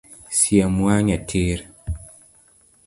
Siem wang’e tir